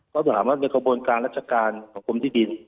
ก็จะถามว่าในกระบวนการรัชการของกรมที่ดิน